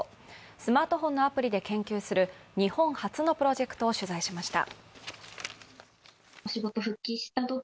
スマートフォンのアプリで研究する日本初のプロジェクトを取材しました。